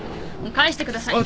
返してください。